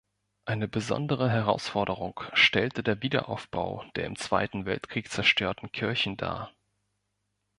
Eine besondere Herausforderung stellte der Wiederaufbau der im Zweiten Weltkrieg zerstörten Kirchen dar.